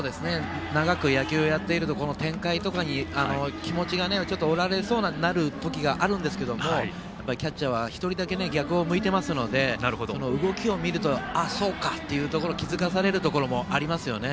長く野球をやっていると展開とかに気持ちが折られそうになる時があるんですけどキャッチャーは一人だけ逆を向いていますので動きを見ると、ああ、そうかって気付かされるところもありますよね。